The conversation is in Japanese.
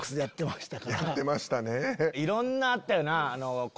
いろんなあったよな。